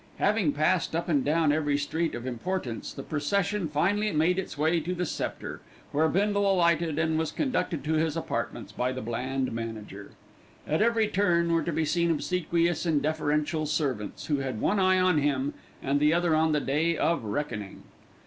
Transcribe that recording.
Having passed up and down every street of importance, the procession finally made its way to the Sceptre, where Bindle alighted and was conducted to his apartments by the bland manager. At every turn were to be seen obsequious and deferential servants, who had one eye on him and the other on the day of reckoning.